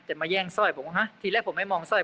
มาแย่งสร้อยผมฮะทีแรกผมไม่มองสร้อย